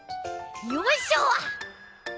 よいしょ！